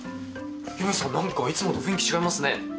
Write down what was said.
ゆみさん何かいつもと雰囲気違いますね。